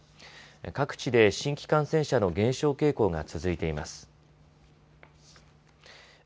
各地で新規感染者の減少傾向が続いています。